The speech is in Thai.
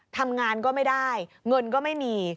ทำงานก็ไม่ได้เงินก็ไม่มี